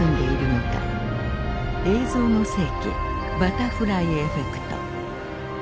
「映像の世紀バタフライエフェクト」。